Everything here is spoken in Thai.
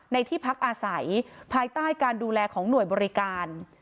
ที่พักอาศัยภายใต้การดูแลของหน่วยบริการ